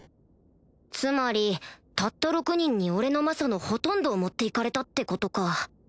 つまりたった６人に俺の魔素のほとんどを持って行かれたってことか